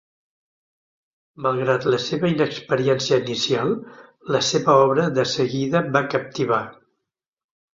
Malgrat la seva inexperiència inicial, la seva obra de seguida va captivar.